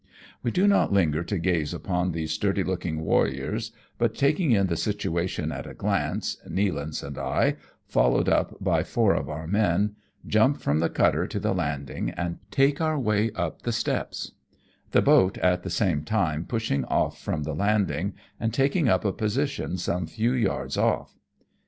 We do not linger to gaze upon these sturdy looking warriors, but taking in the situation at a glance, Nealance and I, followed up by four of our men, jump from the cutter to the landing and take our way up the steps, the boat at the same time pushing off from the landing and taking up a position some few yards off.